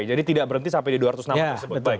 jadi tidak berhenti sampai di dua ratus awal tersebut